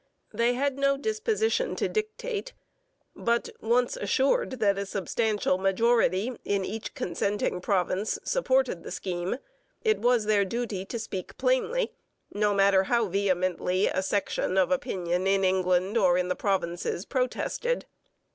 They had no disposition to dictate, but, once assured that a substantial majority in each consenting province supported the scheme, it was their duty to speak plainly, no matter how vehemently a section of opinion in England or in the provinces protested.